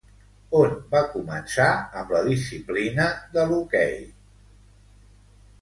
On va començar amb la disciplina de l'hoquei?